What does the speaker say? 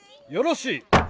よろしい。